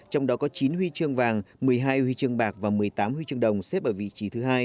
trong đó có chín huy chương vàng một mươi hai huy chương bạc và một mươi tám huy chương bạc